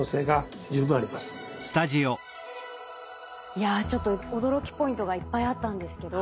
いやちょっと驚きポイントがいっぱいあったんですけど。